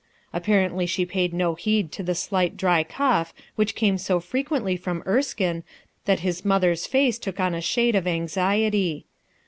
Apparently she paid no heed to the slight dry cough which came so frequently from Erskine that Ids mother's face took on a shade of anxiety.